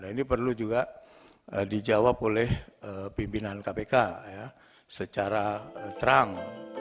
ini perlu juga dijawab oleh pimpinan kpk secara terang